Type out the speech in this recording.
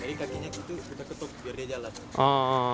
itu sudah ketuk biar dia jalan